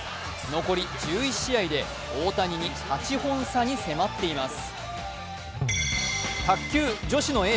残り１１試合で大谷に８本差に迫っています。